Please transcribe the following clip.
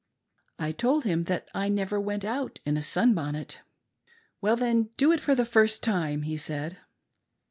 I told him that I never went out in a sunbonnet. " Well then, do it for the first time," he said.